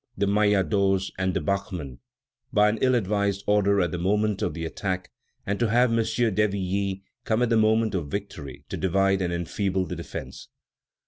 de Maillardoz and de Bachmann by an ill advised order at the moment of the attack; and to have M. d'Hervilly come at the moment of victory to divide and enfeeble the defence."